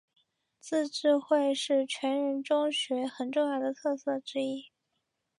自治会是全人中学很重要的特色之一。